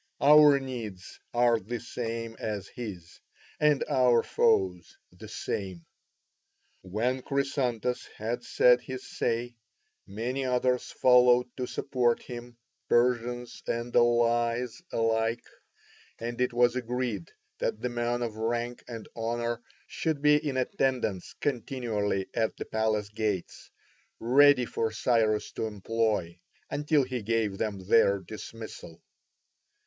Our needs are the same as his, and our foes the same." When Chrysantas had said his say, many others followed to support him, Persians and allies alike, and it was agreed that the men of rank and honour should be in attendance continually at the palace gates, ready for Cyrus to employ, until he gave them their dismissal.